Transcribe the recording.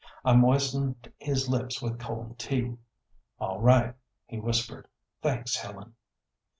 I moistened his lips with cold tea. "All right," he whispered, "thanks, Helen."